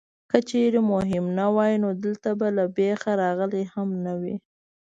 که چېرې مهم نه وای نو دلته به له بېخه راغلی هم نه وې.